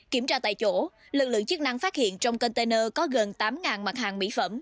kiểm tra tại chỗ lực lượng chức năng phát hiện trong container có gần tám mặt hàng mỹ phẩm